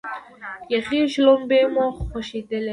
یخې شلومبې مو غوښتلې.